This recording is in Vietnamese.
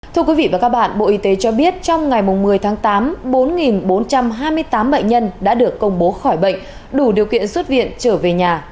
thưa quý vị và các bạn bộ y tế cho biết trong ngày một mươi tháng tám bốn trăm hai mươi tám bệnh nhân đã được công bố khỏi bệnh đủ điều kiện xuất viện trở về nhà